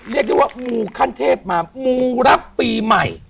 เรียกได้ว่ามูขั้นเทพมามูรับปีใหม่